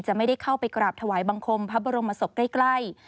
ไม่ได้เข้าไปกราบถวายบังคมพระบรมศพใกล้